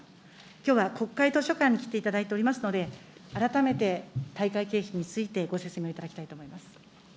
きょうは国会図書館に来ていただいておりますので、改めて大会経費についてご説明いただきたいと思います。